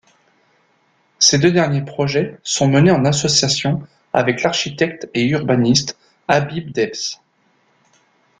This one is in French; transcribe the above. Ces deux derniers projets sont menés en association avec l'architecte et urbaniste Habib Debs.